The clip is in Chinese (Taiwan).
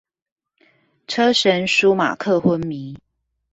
車神舒馬克昏迷